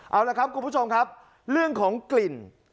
เอาละครับคุณผู้ชมครับเรื่องของกลิ่น